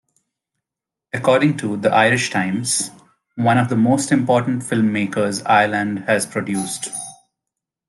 According to "The Irish Times", "one of the most important film-makers Ireland has produced".